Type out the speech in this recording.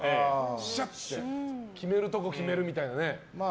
シュッて決めるとこ決めるみたいな。